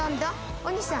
お兄さん。